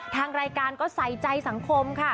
ทางรายการก็ใส่ใจสังคมค่ะ